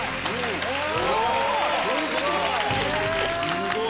すごい！